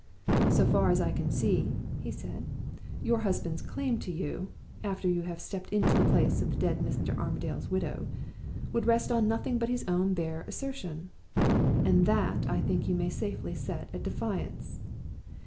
'So far as I can see,' he said, 'your husband's claim to you (after you have stepped into the place of the dead Mr. Armadale's widow) would rest on nothing but his own bare assertion. And that I think you may safely set at defiance.